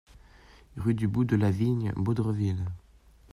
Rue du Bout de la Vigne, Baudreville